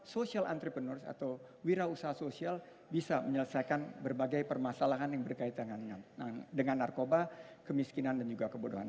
social entrepreneur atau wira usaha sosial bisa menyelesaikan berbagai permasalahan yang berkaitan dengan narkoba kemiskinan dan juga kebodohan